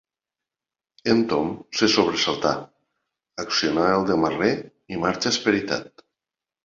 El Tom se sobresalta, acciona el demarrer i marxa esperitat.